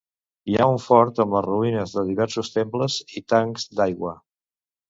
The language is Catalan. Hi ha un fort amb les ruïnes de diversos temples i tancs d'aigua.